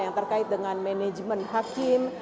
yang terkait dengan manajemen hakim